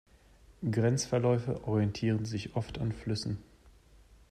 Grenzverläufe orientieren sich oft an Flüssen.